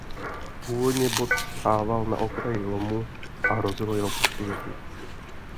Původně bod stával na okraji lomu a hrozilo jeho poškození.